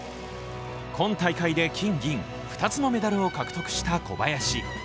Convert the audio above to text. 今大会で金、銀２つのメダルを獲得した小林。